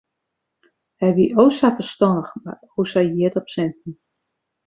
Hy wie o sa ferstannich mar o sa hjit op sinten.